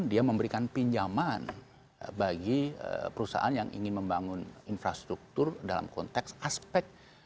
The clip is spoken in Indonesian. dia memberikan pinjaman bagi perusahaan yang ingin membangun infrastruktur dan perusahaan